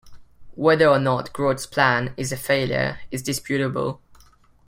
Whether or not Grodd's plan is a failure is disputable.